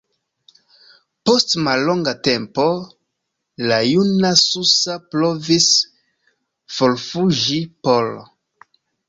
Post mallonga tempo, la juna Sousa provis forfuĝi por.